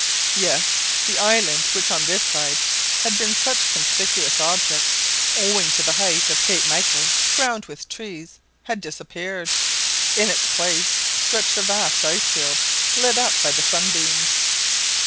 Yes!—The island, which on this side had been such a conspicuous object, owing to the height of Cape Michael crowned with trees, had disappeared. In its place stretched a vast ice field lit up by the sunbeams.